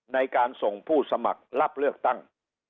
ในการส่งผู้สมัครรับเลือกตั้ง